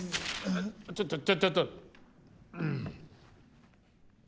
ちょっちょっちょっと。